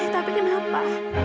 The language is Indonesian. eh tapi kenapa